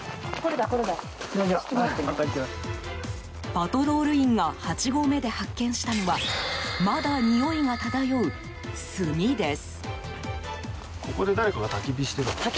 パトロール員が８合目で発見したのはまだ、においが漂う炭です。